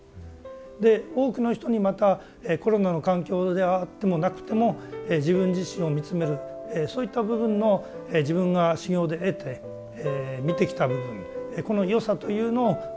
で多くの人にまたコロナの環境であってもなくても自分自身を見つめるそういった部分の自分が修行で得て見てきた部分この良さというのを広めたい。